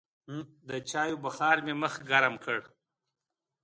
د چايو بخار مې مخ ګرم کړ.